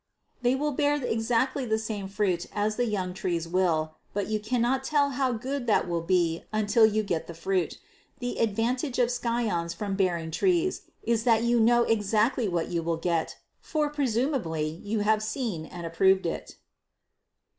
They will bear exactly the same fruit as the young trees will, but you cannot tell how good that will be until you get the fruit. The advantage of scions from bearing trees is that you know exactly what you will get, for, presumably, you have seen and approved it.